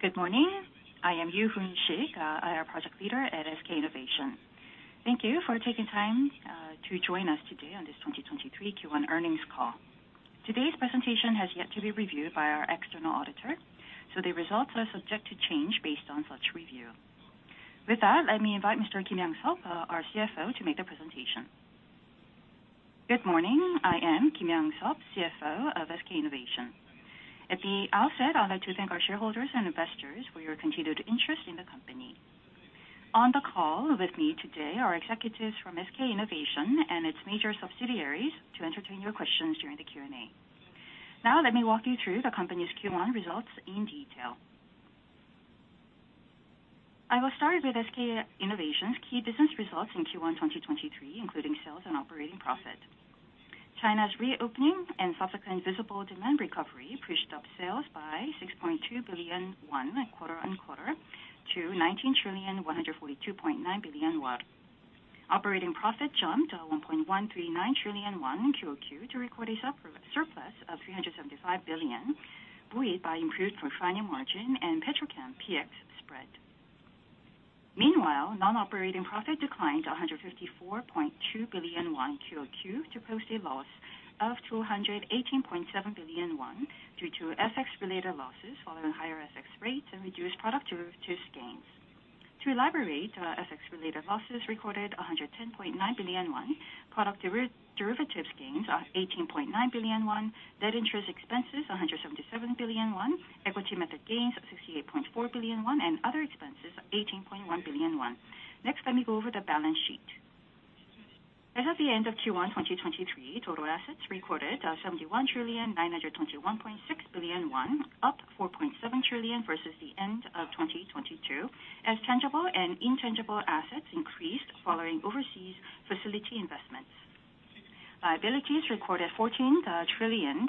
Good morning. I am Yoo Hoon Shik, IR project leader at SK innovation. Thank you for taking time to join us today on this 2023 Q1 earnings call. Today's presentation has yet to be reviewed by our external auditor. The results are subject to change based on such review. With that, let me invite Mr. Kim Yang-seob, our CFO, to make the presentation. Good morning. I am Kim Yang-seob, CFO of SK innovation. At the outset, I'd like to thank our shareholders and investors for your continued interest in the company. On the call with me today are executives from SK innovation and its major subsidiaries to entertain your questions during the Q&A. Let me walk you through the company's Q1 results in detail. I will start with SK innovation's key business results in Q1 2023, including sales and operating profit. China's reopening and subsequent visible demand recovery pushed up sales by 6.2 billion won quarter-on-quarter to 19,142.9 billion won. Operating profit jumped to 1.139 trillion won QOQ to record a surplus of KRWY 375 billion, buoyed by improved refining margin and petrochem PX spread. Non-operating profit declined to CNY 154.2 billion QOQ to post a loss of 218.7 billion won due to FX related losses following higher FX rates and reduced product derivatives gains. To elaborate, FX-related losses recorded 110.9 billion won, product derivatives gains of 18.9 billion won, net interest expenses 177 billion won, equity method gains of 68.4 billion won, and other expenses of 18.1 billion won. Next, let me go over the balance sheet. As of the end of Q1 2023, total assets recorded 71 trillion, 921.6 billion, up 4.7 trillion versus the end of 2022 as tangible and intangible assets increased following overseas facility investments. Liabilities recorded 14 trillion,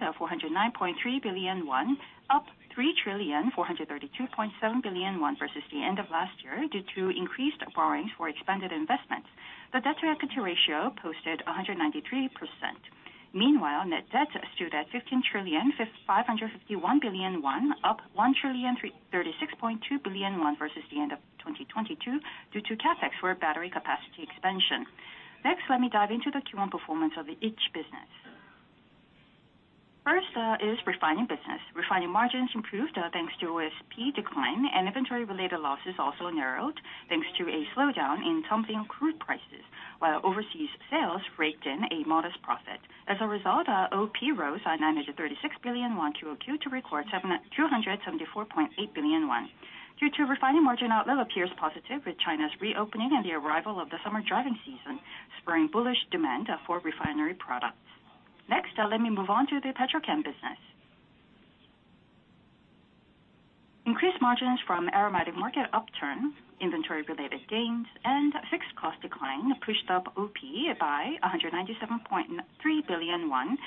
409.3 billion, up 3 trillion, 432.7 billion versus the end of last year due to increased borrowings for expanded investments. The debt to equity ratio posted 193%. Meanwhile, net debt stood at 15,551 billion won, up 1,336.2 billion won versus the end of 2022 due to CapEx for battery capacity expansion. Next, let me dive into the Q1 performance of each business. First, is refining business. Refining margins improved thanks to OSP decline and inventory related losses also narrowed thanks to a slowdown in rising crude prices, while overseas sales raked in a modest profit. As a result, OP rose 936 billion won QOQ to record 274.8 billion won. Q2 refining margin outlook appears positive with China's reopening and the arrival of the summer driving season, spurring bullish demand for refinery products. Next, let me move on to the petrochem business. Increased margins from aromatic market upturn, inventory related gains, and fixed cost decline pushed up OP by 197.3 billion won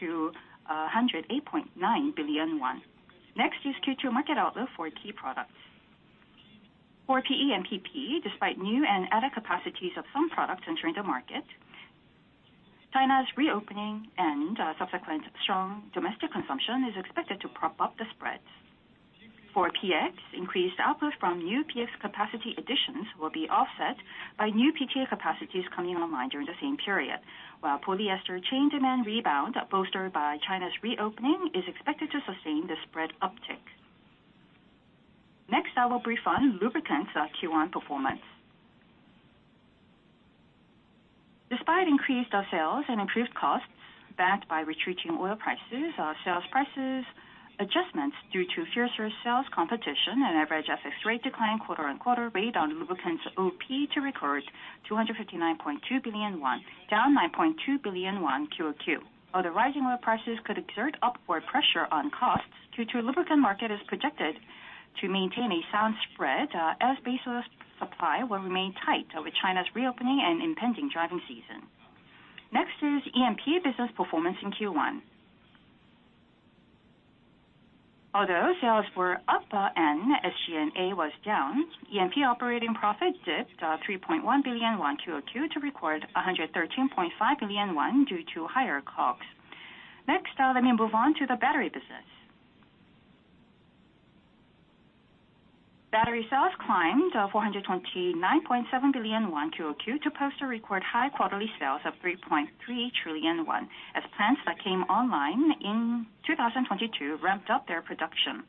to CNY 108.9 billion. Next is Q2 market outlook for key products. For PE and PP, despite new and added capacities of some products entering the market, China's reopening and subsequent strong domestic consumption is expected to prop up the spreads. For PX, increased output from new PX capacity additions will be offset by new PTA capacities coming online during the same period. Polyester chain demand rebound bolstered by China's reopening is expected to sustain the spread uptick. Next, I will brief on lubricants, Q1 performance. Despite increased sales and improved costs backed by retreating oil prices, sales prices adjustments due to fiercer sales competition and average FX rate decline quarter-on-quarter weighed on lubricants OP to record 259.2 billion won, down 9.2 billion won QOQ. Although rising oil prices could exert upward pressure on costs due to lubricant market is projected to maintain a sound spread, as base oil supply will remain tight over China's reopening and impending driving season. Next is E&P business performance in Q1. Although sales were up and SG&A was down, E&P operating profit dipped 3.1 billion won QOQ to record 113.5 billion won due to higher costs. Next, let me move on to the battery business. Battery sales climbed 429.7 billion won QOQ to post a record high quarterly sales of 3.3 trillion won as plants that came online in 2022 ramped up their production.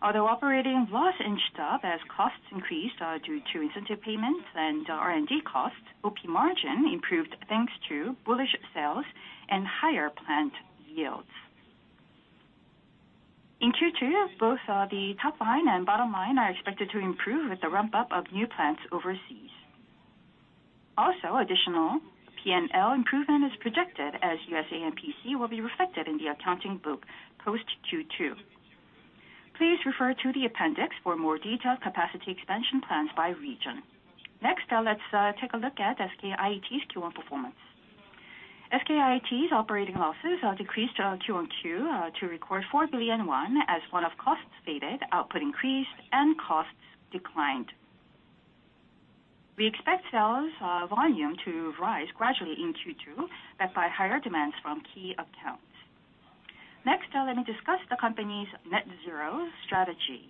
Although operating loss inched up as costs increased due to incentive payments and R&D costs, OP margin improved thanks to bullish sales and higher plant yields. In Q2, both the top line and bottom line are expected to improve with the ramp up of new plants overseas. Additional P&L improvement is projected as AMPC will be reflected in the accounting book post Q2. Please refer to the appendix for more detailed capacity expansion plans by region. Let's take a look at SK IET's Q1 performance. SK IET's operating losses decreased QOQ to record 4 billion won as one-off costs faded, output increased and costs declined. We expect sales volume to rise gradually in Q2 backed by higher demands from key accounts. Next, let me discuss the company's net zero strategy.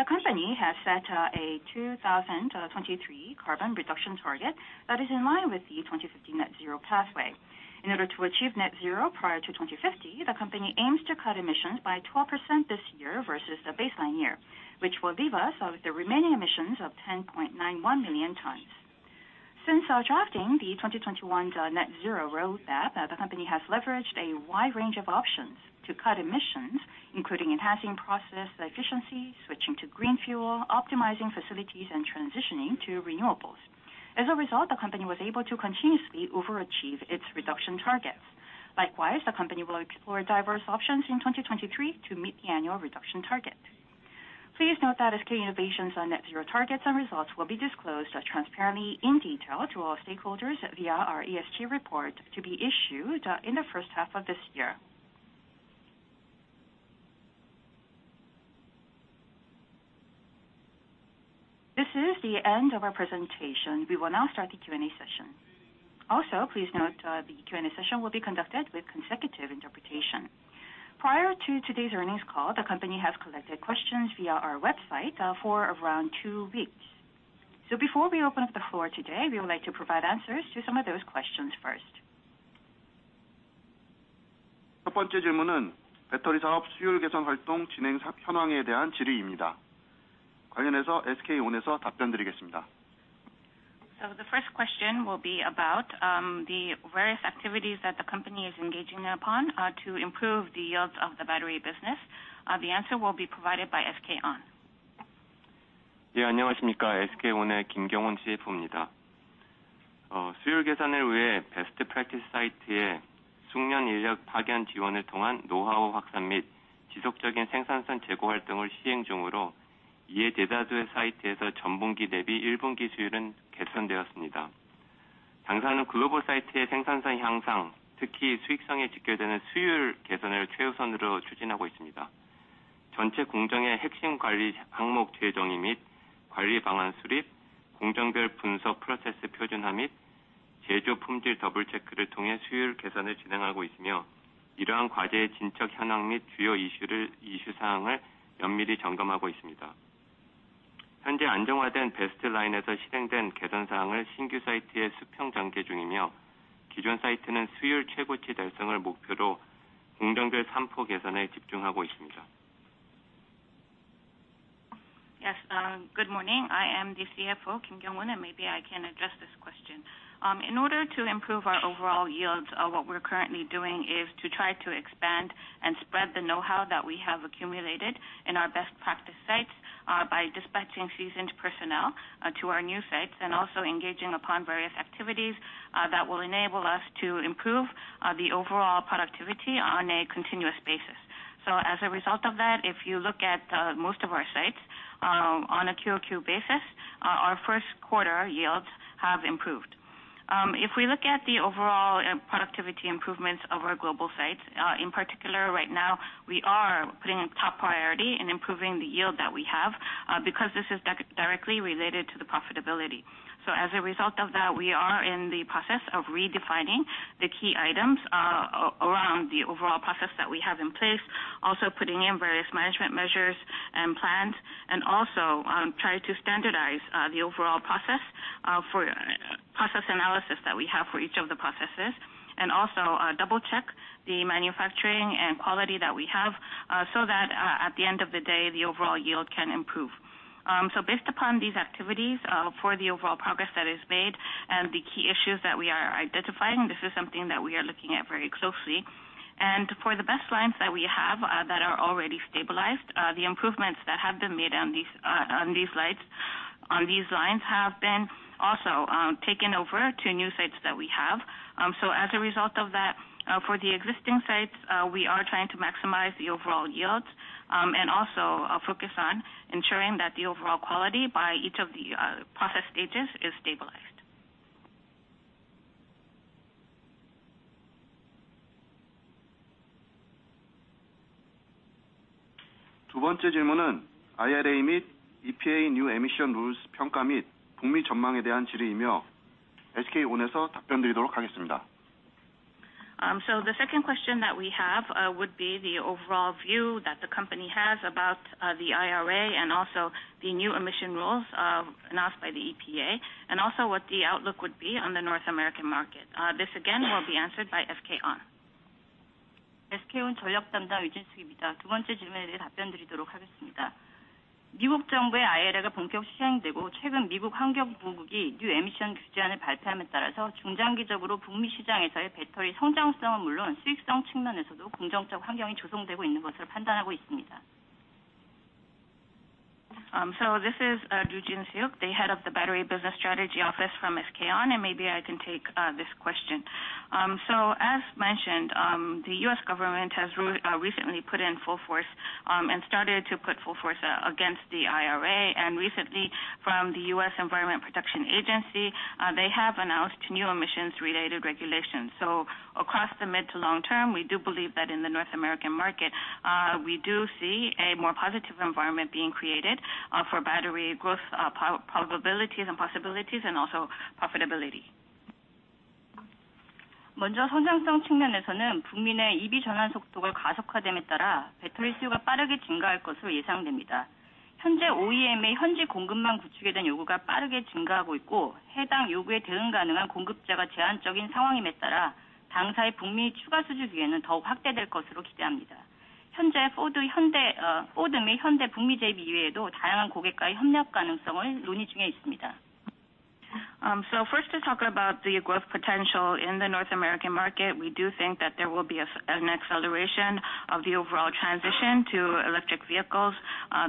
The company has set a 2023 carbon reduction target that is in line with the 2050 net zero pathway. In order to achieve net zero prior to 2050, the company aims to cut emissions by 12% this year versus the baseline year, which will leave us with the remaining emissions of 10.91 million tons. Since drafting the 2021's net zero roadmap, the company has leveraged a wide range of options to cut emissions, including enhancing process efficiency, switching to green fuel, optimizing facilities, and transitioning to renewables. As a result, the company was able to continuously overachieve its reduction targets. Likewise, the company will explore diverse options in 2023 to meet the annual reduction target. Please note that SK Innovation's net zero targets and results will be disclosed transparently in detail to all stakeholders via our ESG report to be issued in the first half of this year. This is the end of our presentation. We will now start the Q&A session. Please note, the Q&A session will be conducted with consecutive interpretation. Prior to today's earnings call, the company has collected questions via our website for around two weeks. Before we open up the floor today, we would like to provide answers to some of those questions first. The first question will be about the various activities that the company is engaging upon to improve the yields of the battery business. The answer will be provided by SK On. Yes. Good morning. I am the CFO, Kim Kyung-hun, and maybe I can address this question. In order to improve our overall yields, what we're currently doing is to try to expand and spread the know-how that we have accumulated in our best practice sites, by dispatching seasoned personnel, to our new sites and also engaging in various activities, that will enable us to improve, the overall productivity on a continuous basis. As a result of that, if you look at, most of our sites, on a QOQ basis, our first quarter yields have improved. If we look at the overall productivity improvements of our global sites, in particular right now, we are putting a top priority in improving the yield that we have, because this is directly related to the profitability. As a result of that, we are in the process of redefining the key items, around the overall process that we have in place, also putting in various management measures and plans and also, try to standardize the overall process for process analysis that we have for each of the processes and also, double-check the manufacturing and quality that we have, so that, at the end of the day, the overall yield can improve. Based upon these activities, for the overall progress that is made and the key issues that we are identifying, this is something that we are looking at very closely. For the best lines that we have, that are already stabilized, the improvements that have been made on these, on these sites, on these lines have been also taken over to new sites that we have. As a result of that, for the existing sites, we are trying to maximize the overall yields, and also focus on ensuring that the overall quality by each of the process stages is stabilized. The second question that we have would be the overall view that the company has about the IRA and also the new emission rules announced by the EPA and also what the outlook would be on the North American market. This again will be answered by SK On. This is Ryu Jin-suk, the Head of the Battery Business Strategy Office from SK On, and maybe I can take this question. As mentioned, the U.S. government has recently put in full force and started to fully implement the IRA. The U.S. Environmental Protection Agency, they have announced new emissions related regulations. Across the mid to long term, we do believe that in the North American market, we do see a more positive environment being created for battery growth, probabilities and possibilities and also profitability. First to talk about the growth potential in the North American market, we do think that there will be an acceleration of the overall transition to electric vehicles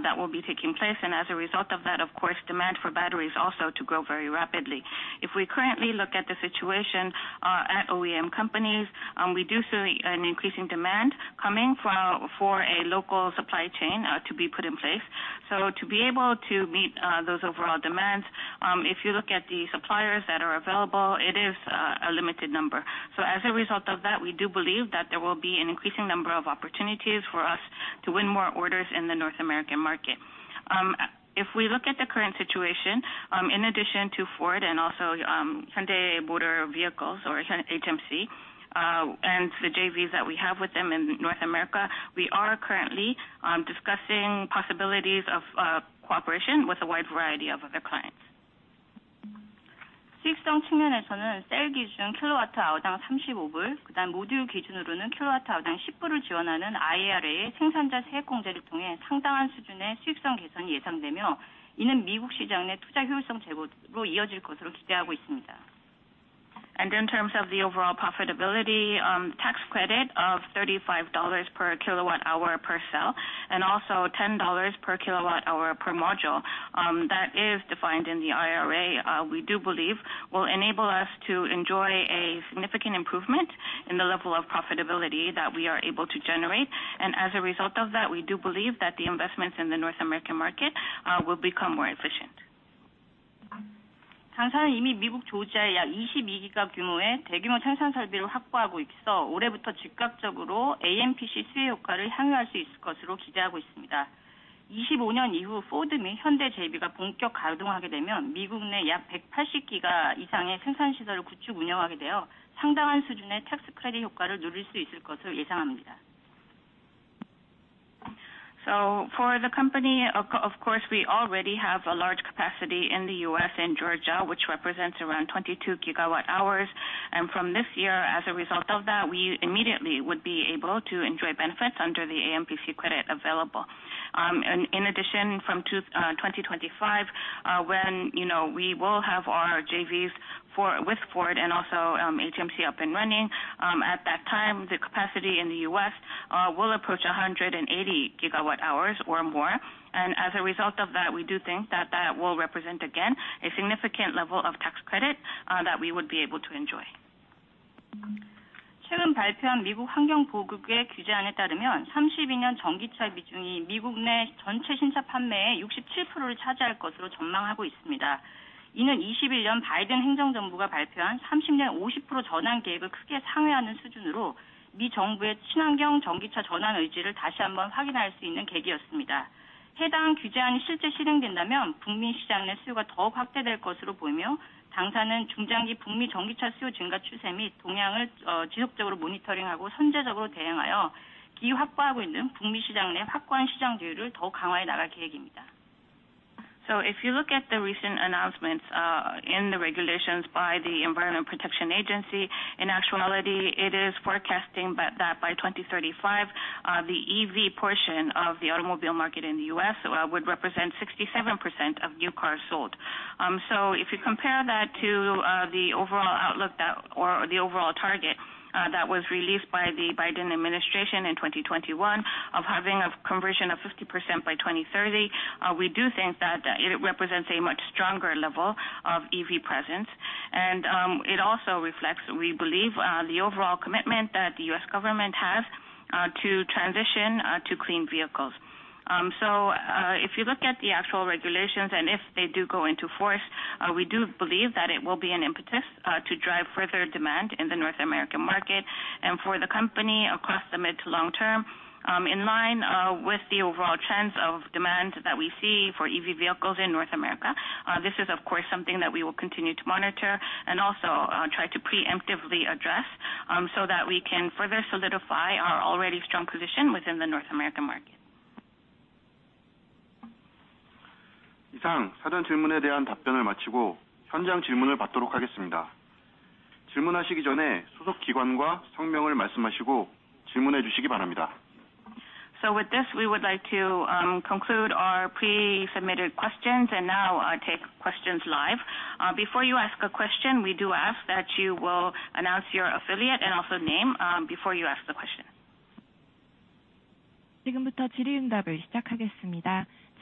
that will be taking place. As a result of that, of course, demand for batteries also to grow very rapidly. If we currently look at the situation at OEM companies, we do see an increasing demand coming from, for a local supply chain to be put in place. To be able to meet those overall demands, if you look at the suppliers that are available, it is a limited number. As a result of that, we do believe that there will be an increasing number of opportunities for us to win more orders in the North American market. If we look at the current situation, in addition to Ford and also, Hyundai Motor Company or HMC, and the JVs that we have with them in North America, we are currently discussing possibilities of cooperation with a wide variety of other clients. In terms of the overall profitability, tax credit of $35 per kilowatt hour per cell and also $10 per kilowatt hour per module, that is defined in the IRA, we do believe will enable us to enjoy a significant improvement in the level of profitability that we are able to generate. As a result of that, we do believe that the investments in the North American market will become more efficient. For the company, of course, we already have a large capacity in the U.S. in Georgia, which represents around 22 gigawatt hours. From this year, as a result of that, we immediately would be able to enjoy benefits under the AMPC credit available. In addition, from 2025, when, you know, we will have our JVs with Ford and also HMC up and running, at that time, the capacity in the U.S. will approach 180 gigawatt hours or more. As a result of that, we do think that that will represent, again, a significant level of tax credit that we would be able to enjoy. If you look at the recent announcements, in the regulations by the U.S. Environmental Protection Agency, in actuality, it is forecasting that by 2035, the EV portion of the automobile market in the U.S. would represent 67% of new cars sold. If you compare that to the overall outlook that or the overall target, that was released by the Biden administration in 2021 of having a conversion of 50% by 2030, we do think that it represents a much stronger level of EV presence. It also reflects, we believe, the overall commitment that the U.S. government has to transition to clean vehicles. If you look at the actual regulations and if they do go into force, we do believe that it will be an impetus to drive further demand in the North American market and for the company across the mid to long term, in line with the overall trends of demand that we see for EV vehicles in North America. This is of course something that we will continue to monitor and also try to preemptively address so that we can further solidify our already strong position within the North American market. With this, we would like to conclude our pre-submitted questions and now take questions live. Before you ask a question, we do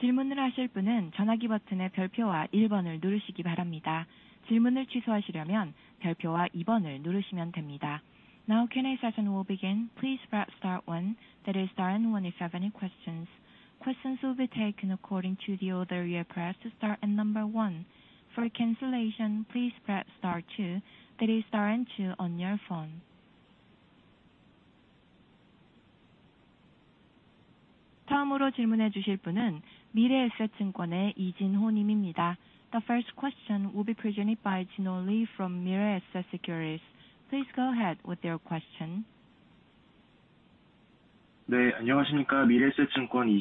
ask that you will announce your affiliate and also name before you ask the question. Now Q&A session will begin. Please press star one, that is star and one if you have any questions. Questions will be taken according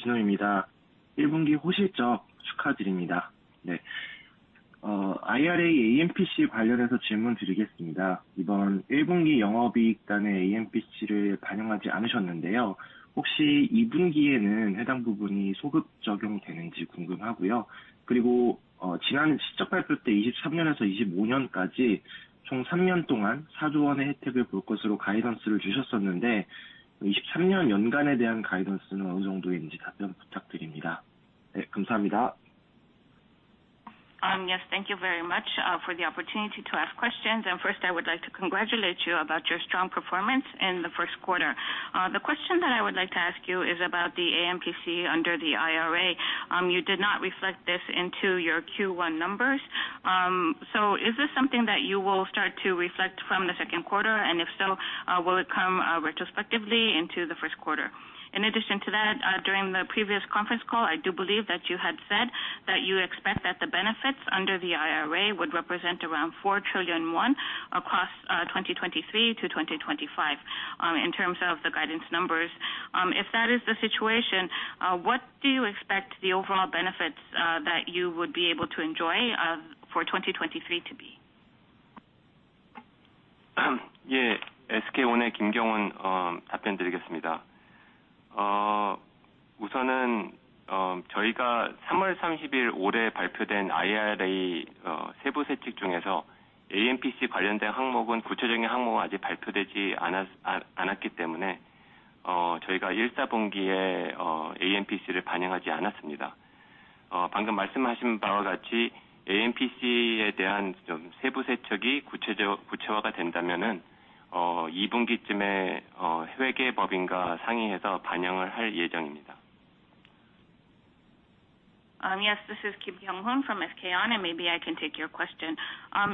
to the order you pressed star and number one. For cancellation please press star two. That is star and two on your phone. The first question will be presented by Jin-ho Lee from Mirae Asset Securities. Please go ahead with your question. Yes, thank you very much for the opportunity to ask questions. First I would like to congratulate you about your strong performance in the first quarter. The question that I would like to ask you is about the AMPC under the IRA. You did not reflect this into your Q1 numbers. Is this something that you will start to reflect from the second quarter? If so, will it come retrospectively into the first quarter? During the previous conference call, I do believe that you had said that you expect that the benefits under the IRA would represent around KRW 4 trillion across 2023-2025. In terms of the guidance numbers. If that is the situation, what do you expect the overall benefits that you would be able to enjoy for 2023 to be? Yes. This is Kim Kyung-hun from SK On, and maybe I can take your question.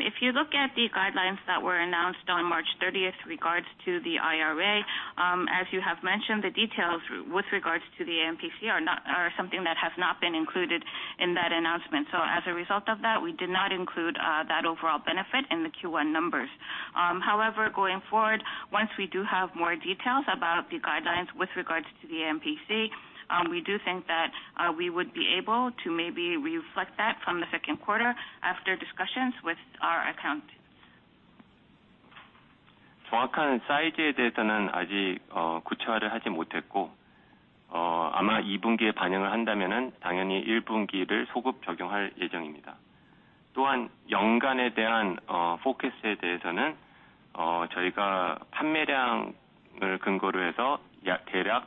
If you look at the guidelines that were announced on March 30th regards to the IRA, as you have mentioned, the details with regards to the AMPC are something that have not been included in that announcement. As a result of that, we did not include that overall benefit in the Q1 numbers. However, going forward, once we do have more details about the guidelines with regards to the AMPC, we do think that we would be able to maybe reflect that from the second quarter after discussions with our account.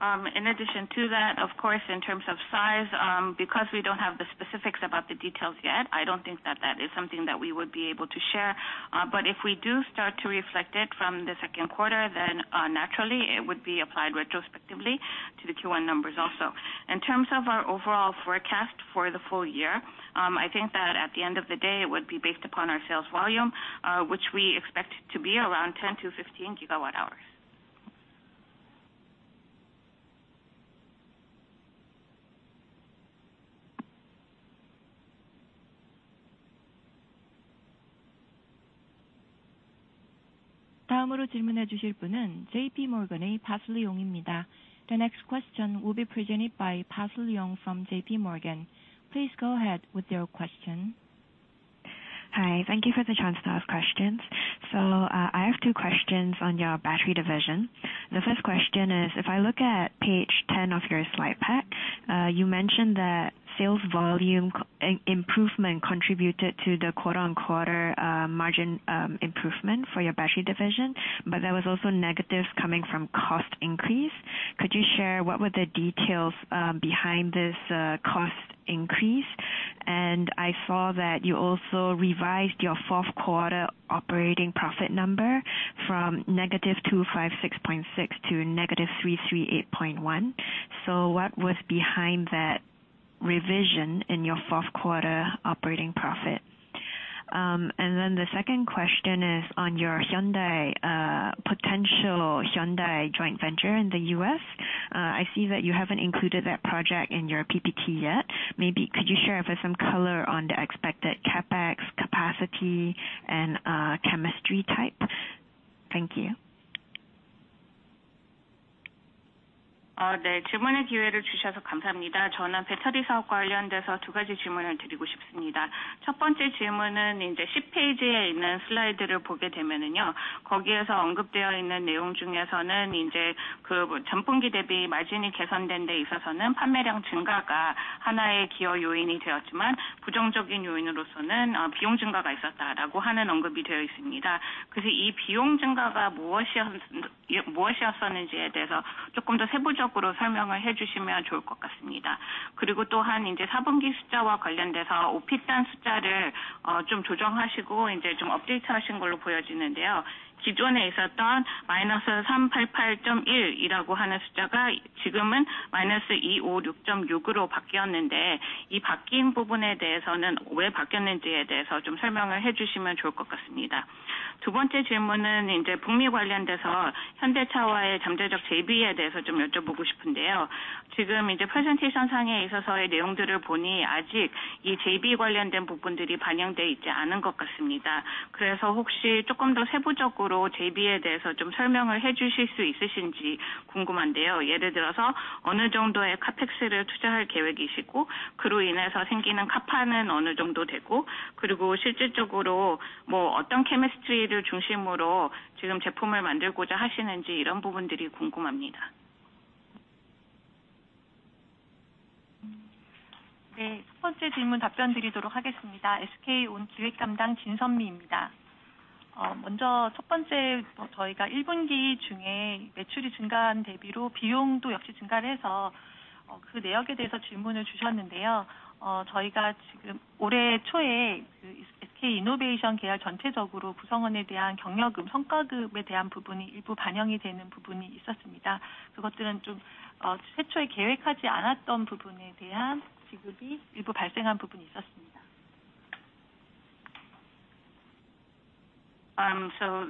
In addition to that, of course, in terms of size, because we don't have the specifics about the details yet, I don't think that that is something that we would be able to share. If we do start to reflect it from the second quarter, then naturally it would be applied retrospectively to the Q1 numbers also. In terms of our overall forecast for the full year, I think that at the end of the day, it would be based upon our sales volume, which we expect to be around 10-15 gigawatt hours. The next question will be presented by Parsley Ong from J.P. Morgan. Please go ahead with your question. Hi. Thank you for the chance to ask questions. I have two questions on your battery division. The first question is, if I look at page 10 of your slide pack, you mentioned that sales volume improvement contributed to the quarter-on-quarter margin improvement for your battery division, but there was also negatives coming from cost increase. Could you share what were the details behind this cost increase? I saw that you also revised your fourth quarter operating profit number from negative 256.6 to negative 338.1. What was behind that revision in your fourth quarter operating profit? The second question is on your Hyundai potential Hyundai joint venture in the U.S. I see that you haven't included that project in your PPT yet. Maybe could you share with some color on the expected CapEx capacity and chemistry type? Thank you.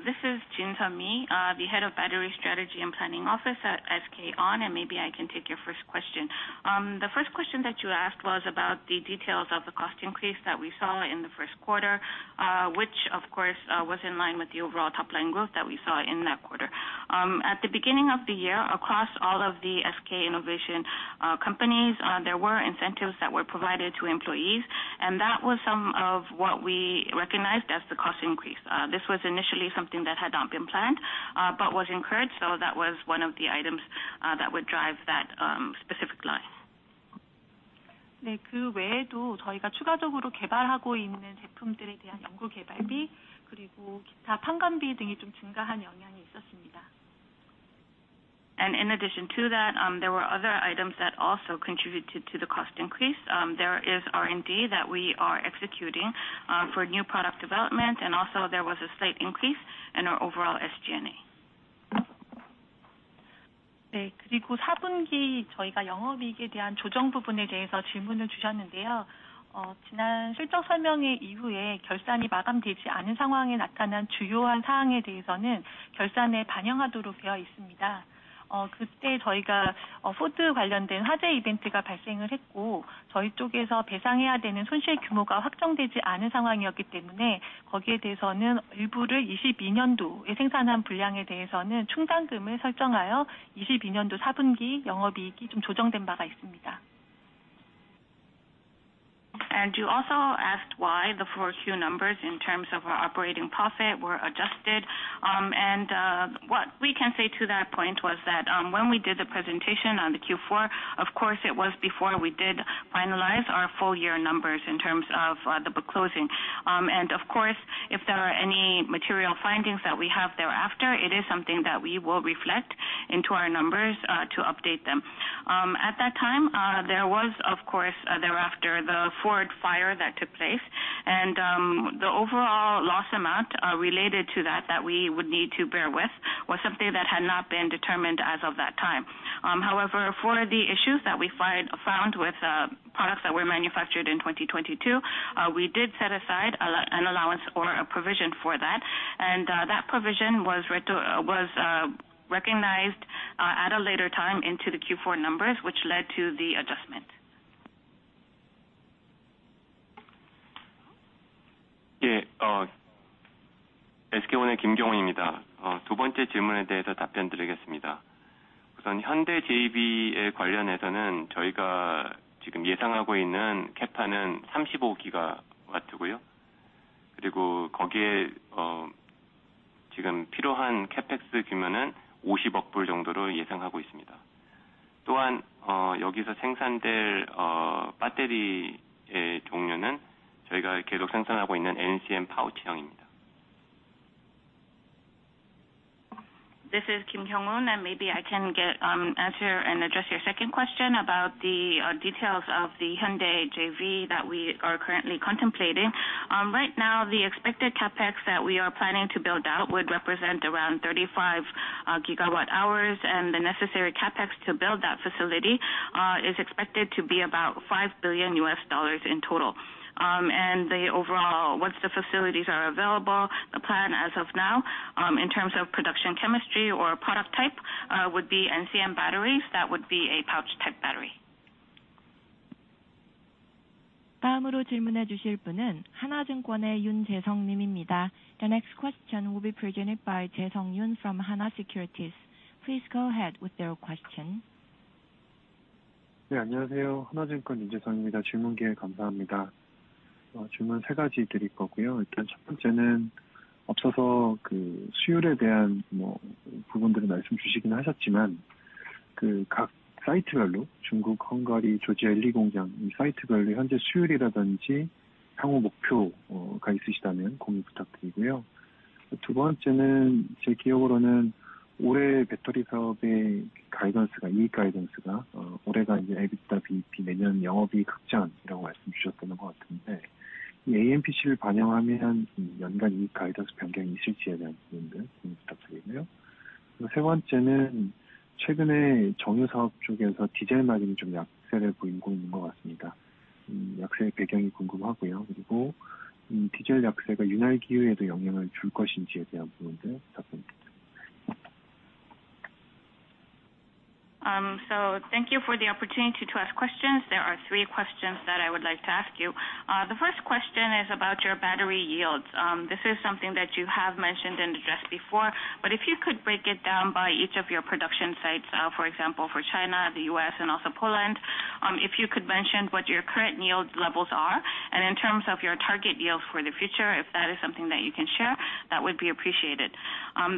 This is Jin Sun Mi, the Head of Battery Strategy and Planning Office at SK On, and maybe I can take your first question. The first question that you asked was about the details of the cost increase that we saw in the first quarter, which of course was in line with the overall top line growth that we saw in that quarter. At the beginning of the year, across all of the SK Innovation companies, there were incentives that were provided to employees, and that was some of what we recognized as the cost increase. This was initially something that had not been planned, but was incurred. That was one of the items that would drive that specific line. In addition to that, there were other items that also contributed to the cost increase. There is R&D that we are executing for new product development. Also there was a slight increase in our overall SG&A. You also asked why the 4Q numbers in terms of our operating profit were adjusted. What we can say to that point was that when we did the presentation on the Q4, of course, it was before we did finalize our full year numbers in terms of the book closing. Of course, if there are any material findings that we have thereafter, it is something that we will reflect into our numbers to update them. At that time, there was of course thereafter the Ford fire that took place and the overall loss amount related to that we would need to bear with was something that had not been determined as of that time. However, for the issues that we found with products that were manufactured in 2022, we did set aside an allowance or a provision for that. That provision was recognized at a later time into the Q4 numbers, which led to the adjustment. This is Kim Kyung-hun, and maybe I can answer and address your second question about the details of the Hyundai JV that we are currently contemplating. Right now, the expected CapEx that we are planning to build out would represent around 35 gigawatt hours, and the necessary CapEx to build that facility is expected to be about $5 billion in total. The overall, once the facilities are available, the plan as of now, in terms of production chemistry or product type, would be NCM batteries. That would be a pouch type battery. The next question will be presented by Jae-Sung Yoon from Hana Securities. Please go ahead with your question. Hello. Thank you for the opportunity to ask questions. There are three questions that I would like to ask you. The first question is about your battery yields. This is something that you have mentioned and addressed before, but if you could break it down by each of your production sites, for example, for China, the U.S., and also Poland, if you could mention what your current yield levels are, and in terms of your target yields for the future, if that is something that you can share, that would be appreciated.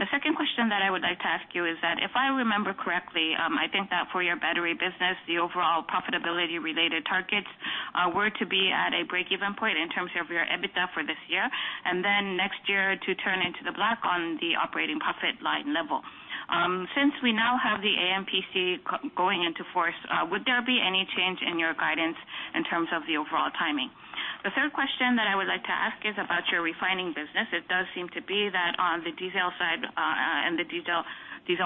The second question that I would like to ask you is that if I remember correctly, I think that for your battery business, the overall profitability related targets were to be at a break-even point in terms of your EBITDA for this year, then next year to turn into the black on the operating profit line level. Since we now have the AMPC going into force, would there be any change in your guidance in terms of the overall timing? The third question that I would like to ask is about your refining business. It does seem to be that on the diesel side, and the diesel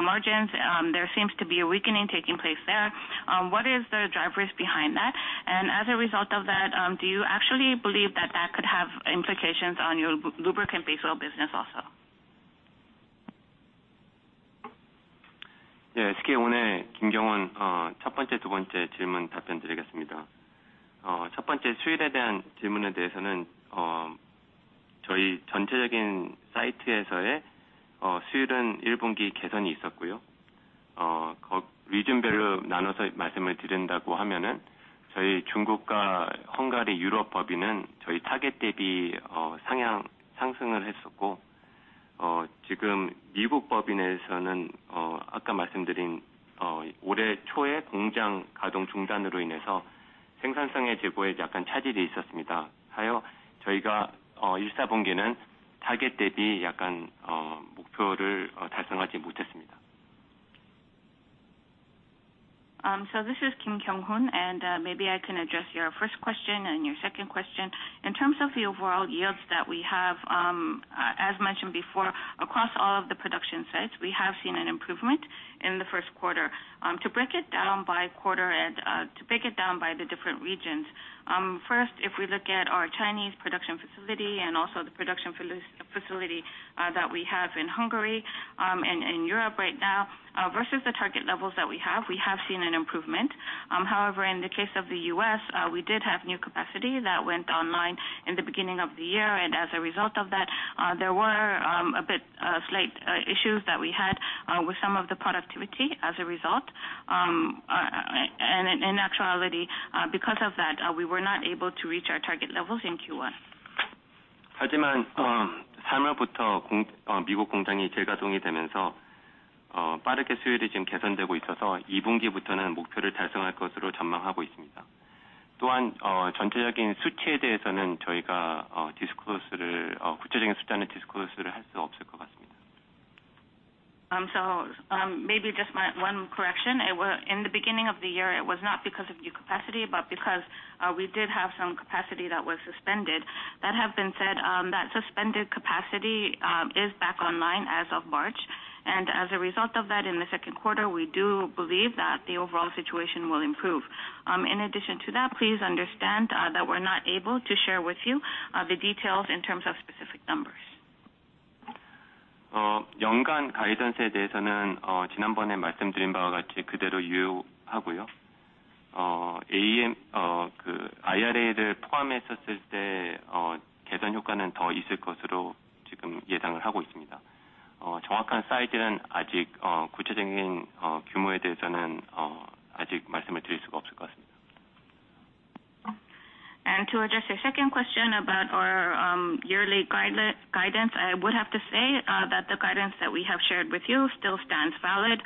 margins, there seems to be a weakening taking place there. What is the drivers behind that? As a result of that, do you actually believe that that could have implications on your lubricant base oil business also? This is Kim Kyoung-hoon from SK Innovation., and maybe I can address your first question and your second question. In terms of the overall yields that we have, as mentioned before, across all of the production sites, we have seen an improvement in the first quarter. To break it down by quarter and to break it down by the different regions, first, if we look at our Chinese production facility and also the production facility that we have in Hungary, and in Europe right now, versus the target levels that we have, we have seen an improvement. However, in the case of the US, we did have new capacity that went online in the beginning of the year, and as a result of that, there were slight issues with some of the productivity as a result. In actuality, because of that, we were not able to reach our target levels in Q1. Maybe just my one correction. In the beginning of the year, it was not because of new capacity, but because, we did have some capacity that was suspended. That having been said, that suspended capacity is back online as of March. As a result of that, in the second quarter, we do believe that the overall situation will improve. In addition to that, please understand that we're not able to share with you the details in terms of specific numbers. To address your second question about our yearly guidance, I would have to say that the guidance that we have shared with you still stands valid.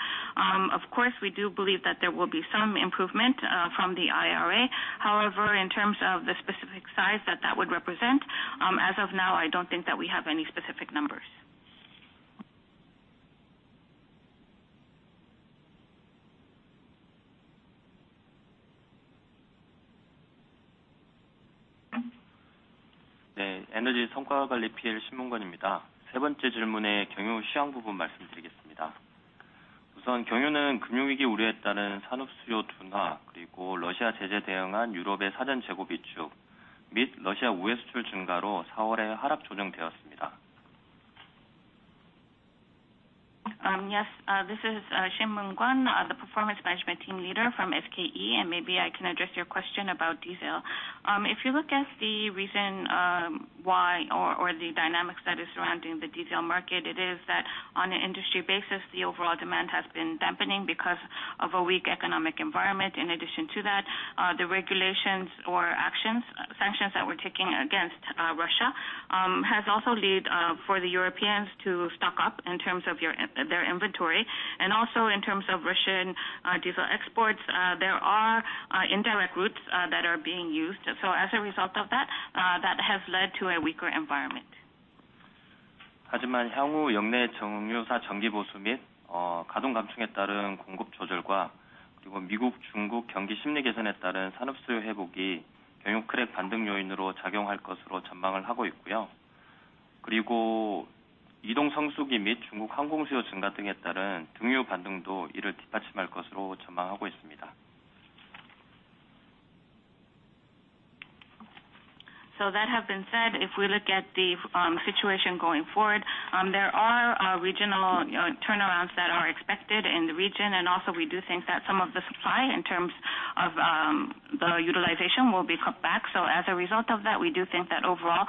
Of course, we do believe that there will be some improvement from the IRA. However, in terms of the specific size that that would represent, as of now, I don't think that we have any specific numbers. Yes. This is Shin Mun-Kwon, the performance management team leader from SK Energy, and maybe I can address your question about diesel. If you look at the reason why or the dynamics that are surrounding the diesel market, it is that on an industry basis, the overall demand has been dampening because of a weak economic environment. In addition to that, the regulations or actions, sanctions that we're taking against Russia, has also led for the Europeans to stock up in terms of their inventory and also in terms of Russian diesel exports, there are indirect routes that are being used. As a result of that has led to a weaker environment. That has been said. If we look at the situation going forward, there are regional turnarounds that are expected in the region. We do think that some of the supply in terms of the utilization will be cut back. As a result of that, we do think that overall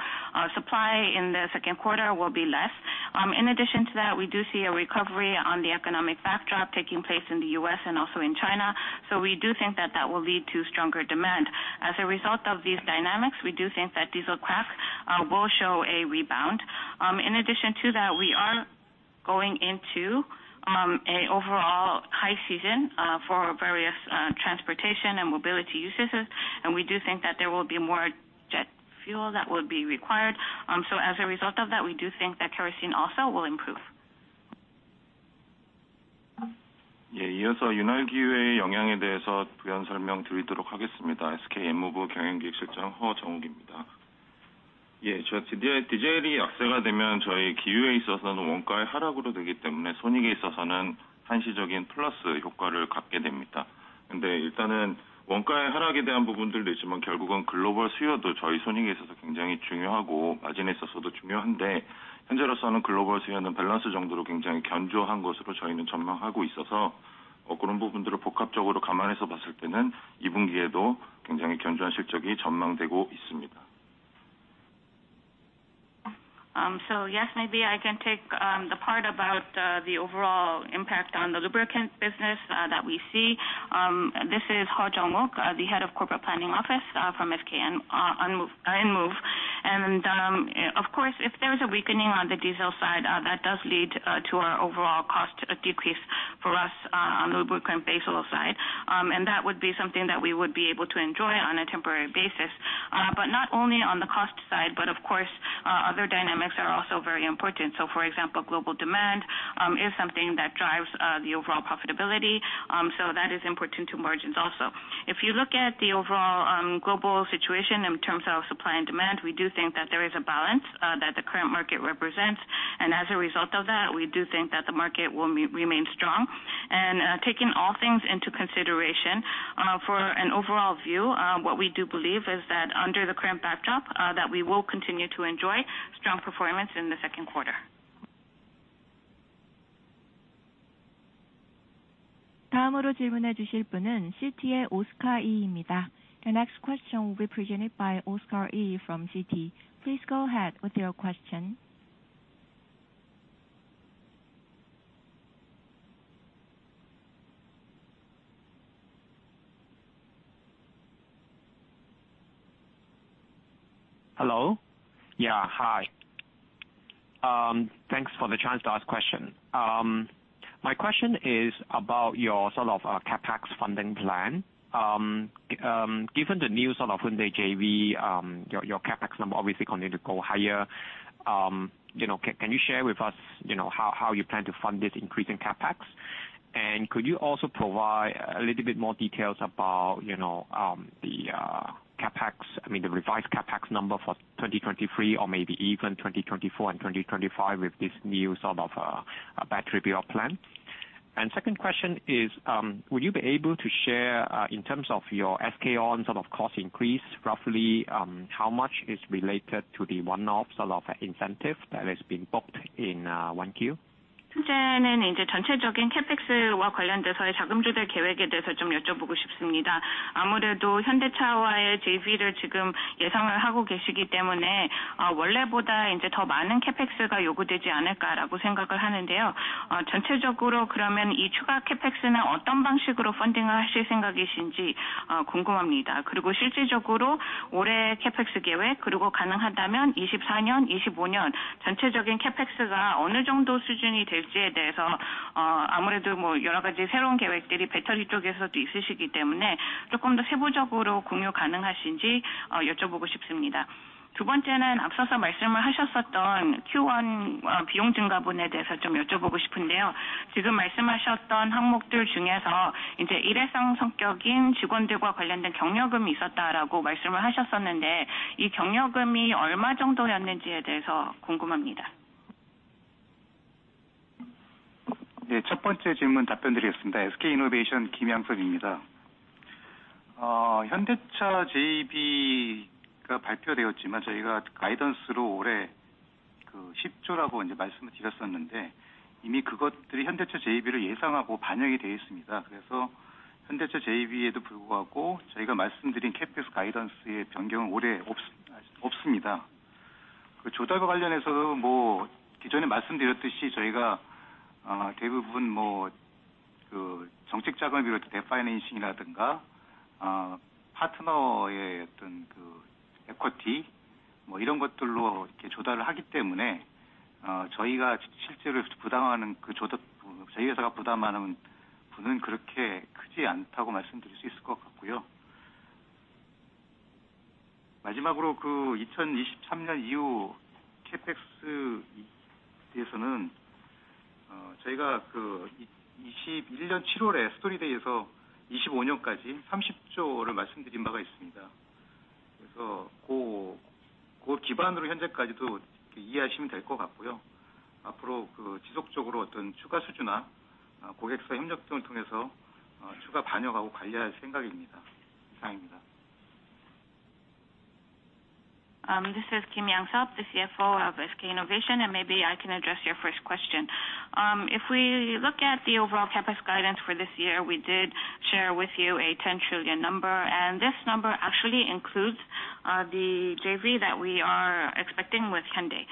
supply in the second quarter will be less. In addition to that, we do see a recovery on the economic backdrop taking place in the US and also in China. We do think that that will lead to stronger demand. As a result of these dynamics, we do think that diesel crack will show a rebound. In addition to that, we are going into a overall high season for various transportation and mobility uses. We do think that there will be more jet fuel that will be required. As a result of that, we do think that kerosene also will improve. Yes, maybe I can take the part about the overall impact on the lubricant business that we see. This is Heo Jong Wook, the Head of Corporate Planning Office, from SK Enmove. Of course, if there is a weakening on the diesel side, that does lead to our overall cost decrease for us on the lubricant base oil side. That would be something that we would be able to enjoy on a temporary basis, but not only on the cost side, but of course, other dynamics are also very important. For example, global demand is something that drives the overall profitability. That is important to margins also. If you look at the overall, global situation in terms of supply and demand, we do think that there is a balance, that the current market represents. As a result of that, we do think that the market will remain strong. Taking all things into consideration, for an overall view, what we do believe is that under the current backdrop, that we will continue to enjoy strong performance in the second quarter. The next question will be presented by Oscar Yee from Citi. Please go ahead with your question. Hello. Yeah, hi. Thanks for the chance to ask question. My question is about your sort of CapEx funding plan. Given the new sort of Hyundai JV, your CapEx number obviously going to go higher. You know, can you share with us, you know, how you plan to fund this increase in CapEx? Could you also provide a little bit more details about, you know, the CapEx, I mean the revised CapEx number for 2023 or maybe even 2024 and 2025 with this new sort of battery build plan? Second question is, would you be able to share in terms of your SK On sort of cost increase, roughly, how much is related to the one-off sort of incentive that has been booked in 1Q? This is Kim Yang-seob, the CFO of SK Innovation, and maybe I can address your first question. If we look at the overall CapEx guidance for this year, we did share with you a 10 trillion number, and this number actually includes the JV that we are expecting with Hyundai.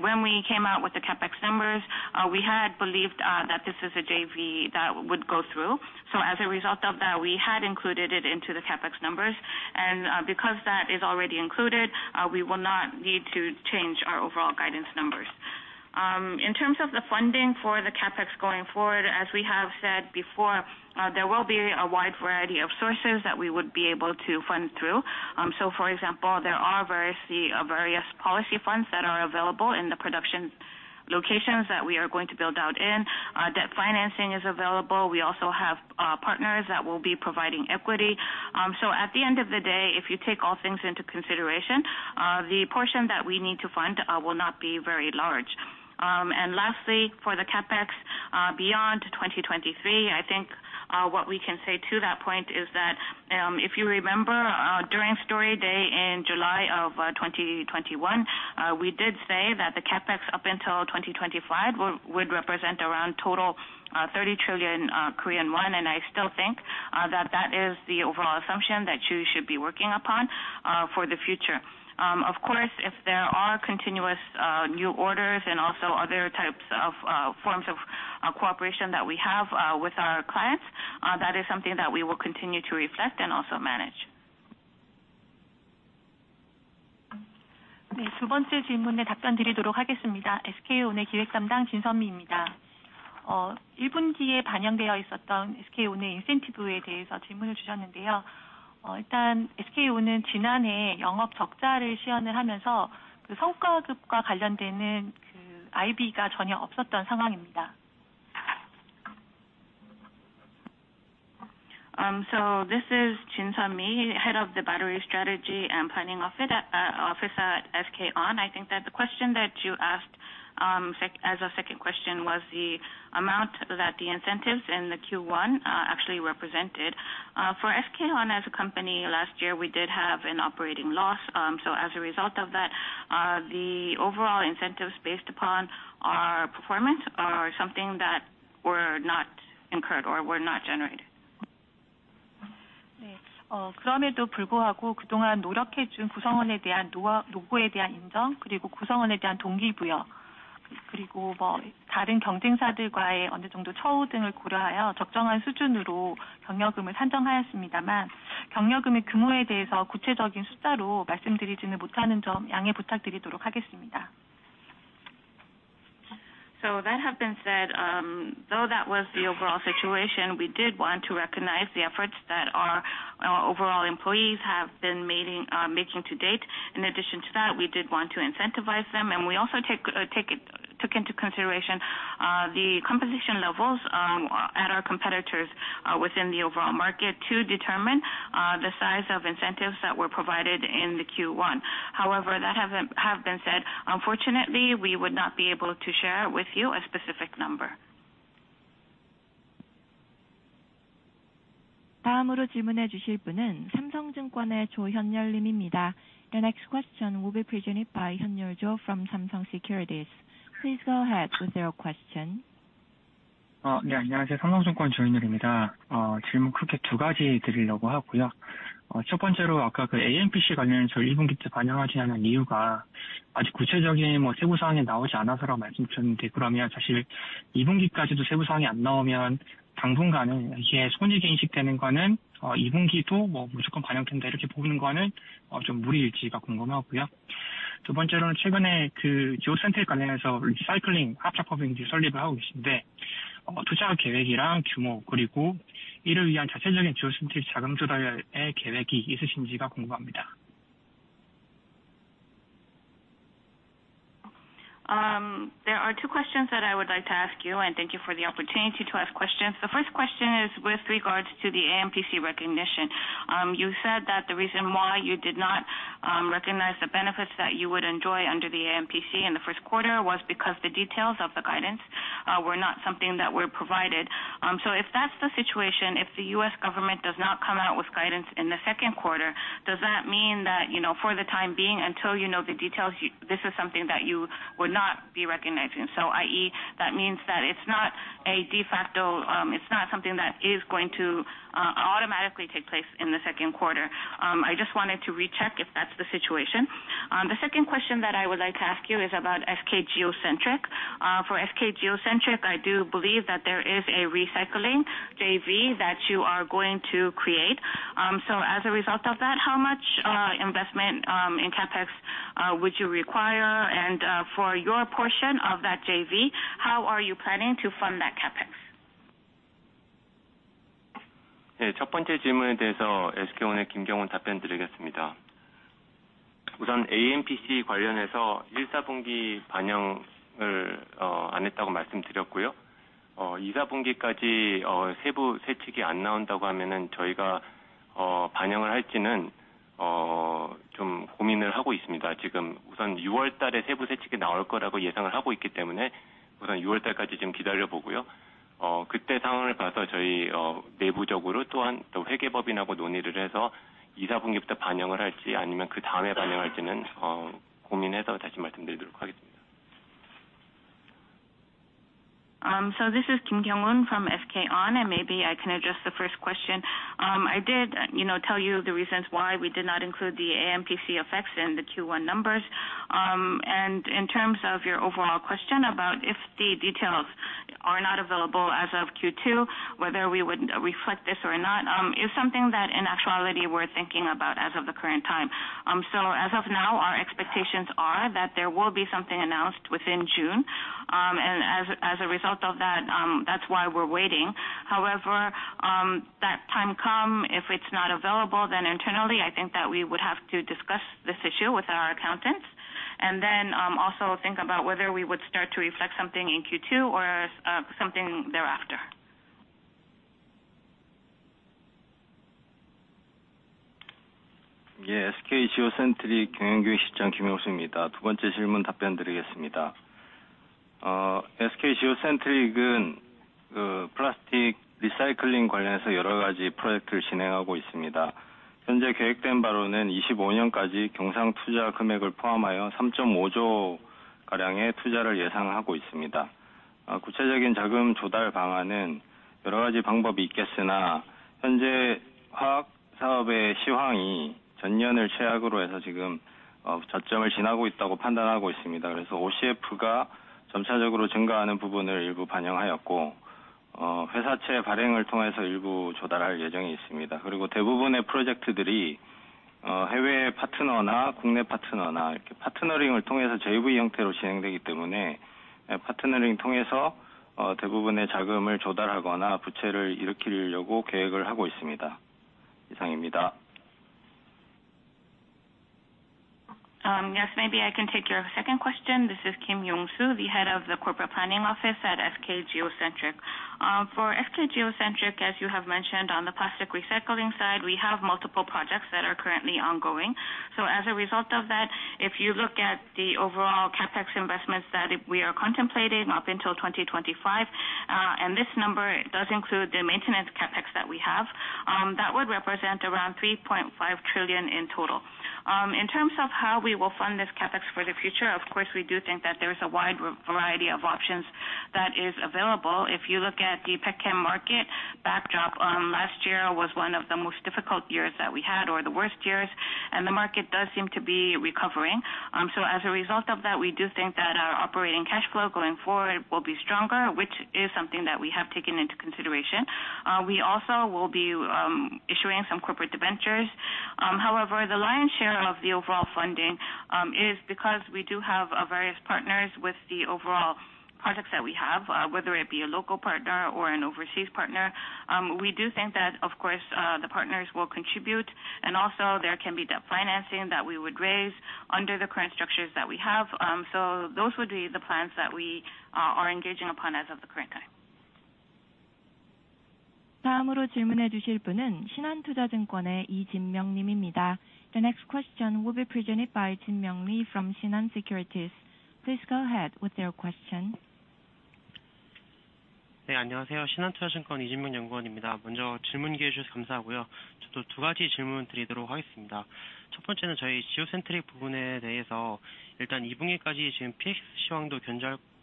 When we came out with the CapEx numbers, we had believed that this is a JV that would go through. As a result of that, we had included it into the CapEx numbers. Because that is already included, we will not need to change our overall guidance numbers. In terms of the funding for the CapEx going forward, as we have said before, there will be a wide variety of sources that we would be able to fund through. For example, there are various policy funds that are available in the production locations that we are going to build out in. Debt financing is available. We also have partners that will be providing equity. At the end of the day, if you take all things into consideration, the portion that we need to fund will not be very large. Lastly, for the CapEx, beyond 2023, I think what we can say to that point is that, if you remember, during Story Day in July of 2021, we did say that the CapEx up until 2025 would represent around total 30 trillion Korean won. I still think that that is the overall assumption that you should be working upon for the future. there are continuous new orders and also other types of forms of cooperation that we have with our clients, that is something that we will continue to reflect and also manage. took into consideration the composition levels at our competitors within the overall market to determine the size of incentives that were provided in the Q1. That have been said, unfortunately, we would not be able to share with you a specific number. The next question will be presented by Hyun Yul Jo from Samsung Securities. Please go ahead with your question. There are two questions that I would like to ask you, thank you for the opportunity to ask questions. The first question is with regards to the AMPC recognition. You said that the reason why you did not recognize the benefits that you would enjoy under the AMPC in the first quarter was because the details of the guidance were not something that were provided. If that's the situation, if the U.S. government does not come out with guidance in the second quarter, does that mean that, you know, for the time being, until you know the details, this is something that you would not be recognizing? i.e, that means that it's not a de facto, it's not something that is going to automatically take place in the second quarter. I just wanted to recheck if that's the situation. The second question that I would like to ask you is about SK geo centric. For SK geocentric, I do believe that there is a recycling JV that you are going to create. As a result of that, how much investment in CapEx would you require? For your portion of that JV, how are you planning to fund that CapEx? Yes. Maybe I can take your second question. This is Kim Yong-soo, the head of the corporate planning office at SK geo centric. For SK geo centric, as you have mentioned on the plastic recycling side, we have multiple projects that are currently ongoing. As a result of that, if you look at the overall CapEx investments that we are contemplating up until 2025, and this number does include the maintenance CapEx that we have, that would represent around 3.5 trillion in total. In terms of how we will fund this CapEx for the future, of course, we do think that there is a wide variety of options that is available. If you look at the petchem market backdrop, last year was one of the most difficult years that we had or the worst years, and the market does seem to be recovering. As a result of that, we do think that our operating cash flow going forward will be stronger, which is something that we have taken into consideration. We also will be issuing some corporate debentures. However, the lion's share of the overall funding is because we do have various partners with the overall projects that we have, whether it be a local partner or an overseas partner. We do think that of course, the partners will contribute and also there can be debt financing that we would raise under the current structures that we have. Those would be the plans that we are engaging upon as of the current time. The next question will be presented by Jin Myong Lee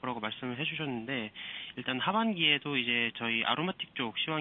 from Shinhan Securities. Please go ahead with your question.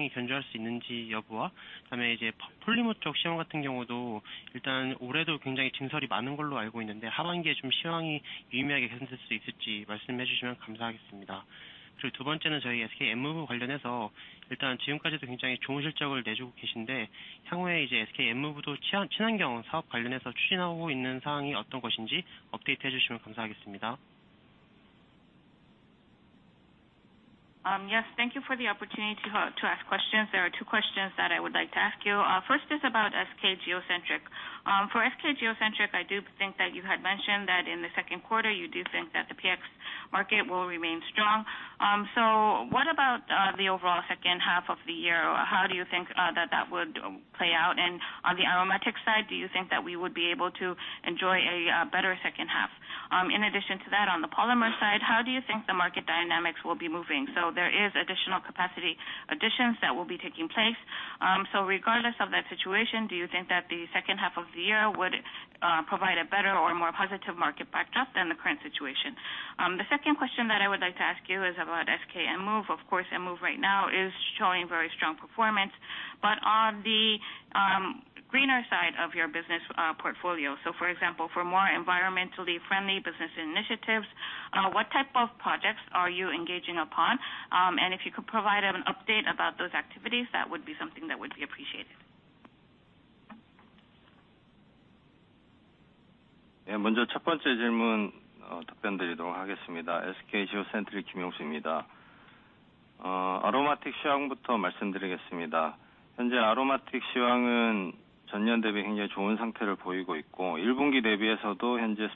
Yes, thank you for the opportunity to ask questions. There are two questions that I would like to ask you. First is about SK geo centric. For SK Geocentric, I do think that you had mentioned that in the second quarter you do think that the PX market will remain strong. What about the overall second half of the year? How do you think that that would play out? On the aromatics side, do you think that we would be able to enjoy a better second half? In addition to that, on the polymer side, how do you think the market dynamics will be moving? There is additional capacity additions will be taking place. Regardless of that situation, do you think that the second half of the year would provide a better or more positive market backdrop than the current situation? The second question that I would like to ask you is about SK Enmove. Of course, Move right now is showing very strong performance. On the greener side of your business portfolio, so for example, for more environmentally friendly business initiatives,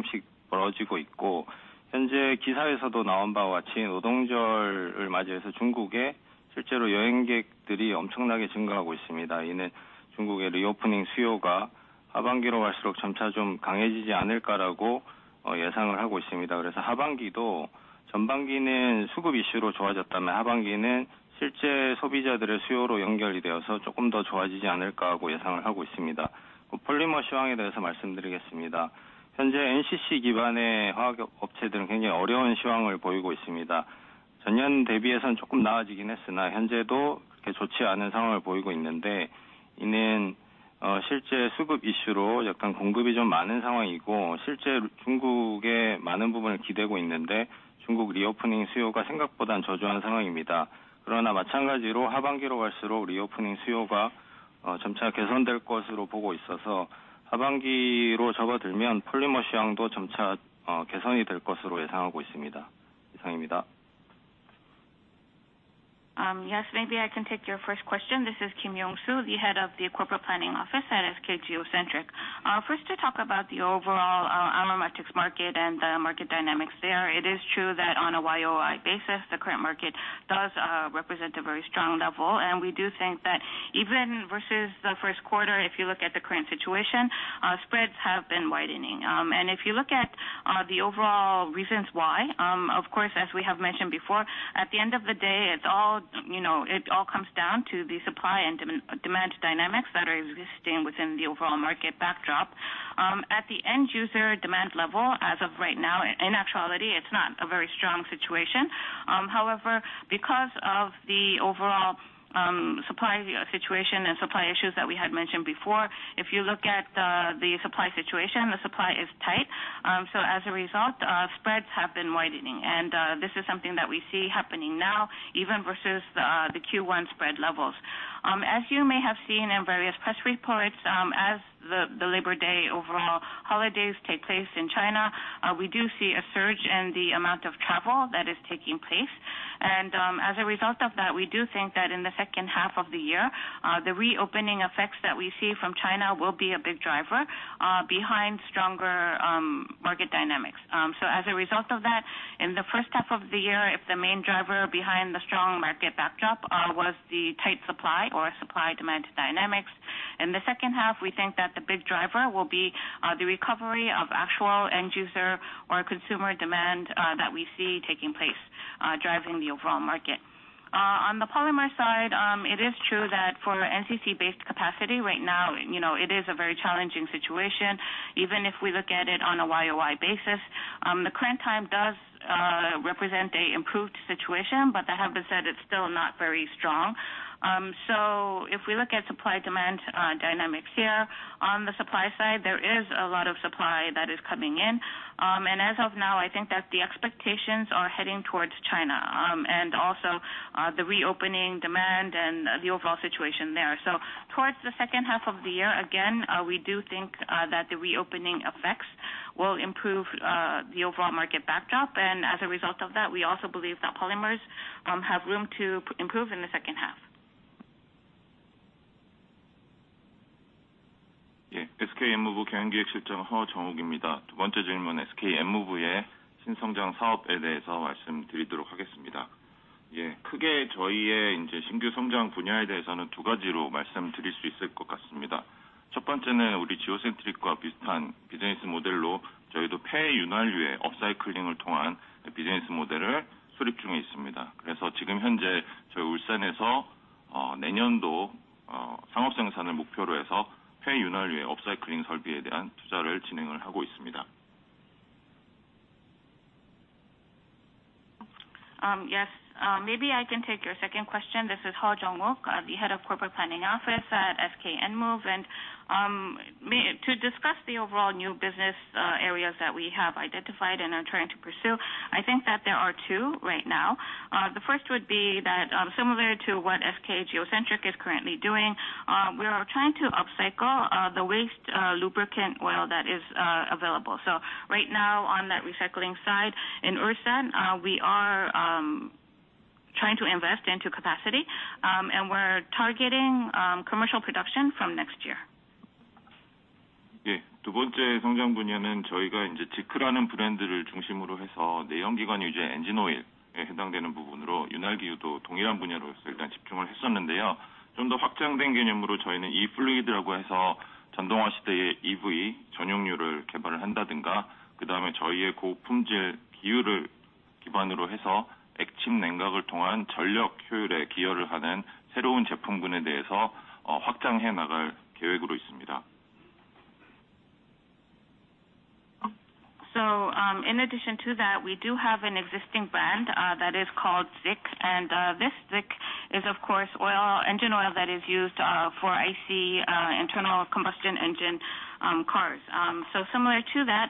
what type of projects are you engaging upon? If you could provide an update about those activities, that would be something that would be appreciated. Yeah. Yes, maybe I can take your first question. This is Kim Yong Su, the Head of the Corporate Planning Office at SK geo centric. First, to talk about the overall aromatics market and the market dynamics there. It is true that on a Y-O-Y basis the current market does represent a very strong level, and we do think that even versus the first quarter, if you look at the current situation, spreads have been widening. If you look at the overall reasons why, of course, as we have mentioned before, at the end of the day, it's all, you know, it all comes down to the supply and demand dynamics that are existing within the overall market backdrop. At the end user demand level, as of right now, in actuality, it's not a very strong situation. However, because of the overall supply situation and supply issues that we had mentioned before, if you look at the supply situation, the supply is tight. As a result, spreads have been widening. This is something that we see happening now even versus the Q1 spread levels. As you may have seen in various press reports, as the Labor Day overall holidays take place in China, we do see a surge in the amount of travel that is taking place. As a result of that, we do think that in the second half of the year, the reopening effects that we see from China will be a big driver behind stronger market dynamics. As a result of that, in the first half of the year, if the main driver behind the strong market backdrop was the tight supply or supply-demand dynamics. In the second half, we think that the big driver will be the recovery of actual end user or consumer demand that we see taking place, driving the overall market. On the polymer side, it is true that for NCC-based capacity right now, you know, it is a very challenging situation. Even if we look at it on a Y-O-Y basis, the current time does represent a improved situation. That having been said, it's still not very strong. If we look at supply-demand dynamics here, on the supply side, there is a lot of supply that is coming in. As of now, I think that the expectations are heading towards China, and also the reopening demand and the overall situation there. Towards the second half of the year, again, we do think that the reopening effects will improve the overall market backdrop. As a result of that, we also believe that polymers have room to improve in the second half. Yeah. Yes, maybe I can take your second question. This is Heo Jong Wook, the Head of Corporate Planning Office at SK Enmove. To discuss the overall new business areas that we have identified and are trying to pursue, I think that there are two right now. The first would be that, similar to what SK geo centric is currently doing, we are trying to upcycle the waste lubricant oil that is available. Right now on that recycling side in Ulsan, we're targeting commercial production from next year. In addition to that, we do have an existing brand that is called ZIC, this ZIC is of course oil, engine oil that is used for IC, internal combustion engine cars. Similar to that,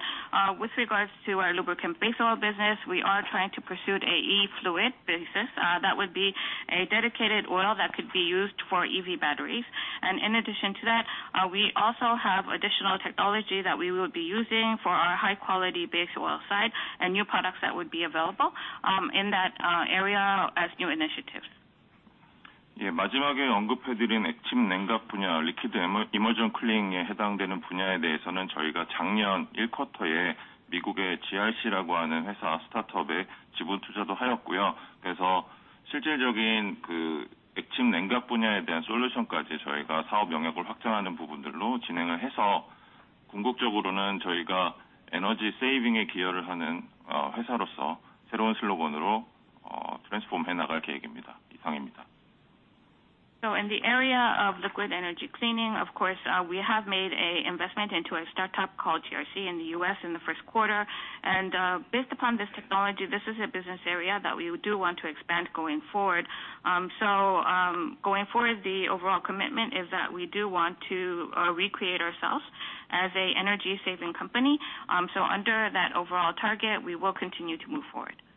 with regards to our lubricant base oil business, we are trying to pursue a e-Fluid business that would be a dedicated oil that could be used for EV batteries. In addition to that, we also have additional technology that we will be using for our high quality base oil side and new products that would be available in that area as new initiatives. In the area of liquid energy cleaning, of course, we have made a investment into a startup called GRC in the U.S. in the first quarter. Based upon this technology, this is a business area that we do want to expand going forward. Going forward, the overall commitment is that we do want to recreate ourselves as a energy saving company. Under that overall target, we will continue to move forward.